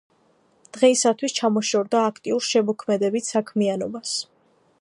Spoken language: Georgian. დღეისათვის ჩამოშორდა აქტიურ შემოქმედებით საქმიანობას.